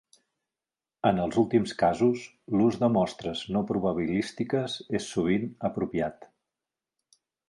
En els últims casos, l'ús de mostres no probabilístiques és sovint apropiat.